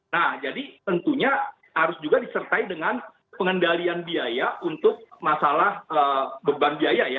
nah jadi tentunya harus juga disertai dengan pengendalian biaya untuk masalah beban biaya ya